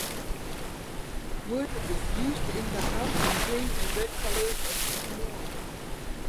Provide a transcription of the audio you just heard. Wood is used in the house and green and red colors are used more.